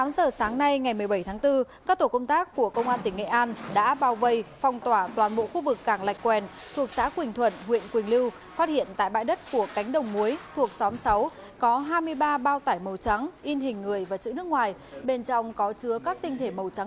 công an tỉnh nghệ an đã tiến hành tạm giữ ba đối tượng liên quan